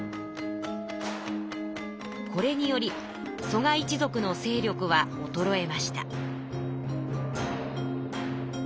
これにより蘇我一族の勢力はおとろえました。